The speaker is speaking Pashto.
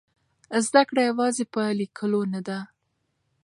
زده کړه یوازې په لیکلو نه ده.